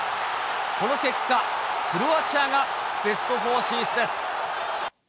この結果、クロアチアがベスト４進出です。